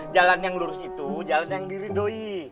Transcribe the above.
jalan yang lurus itu jalan yang diridoi